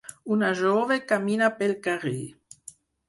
Una jove camina pel carrer.